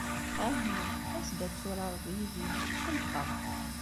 Aha, as-d ad turareḍ yid-i, tqellqeɣ!